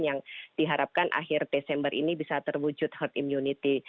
yang diharapkan akhir desember ini bisa terwujud herd immunity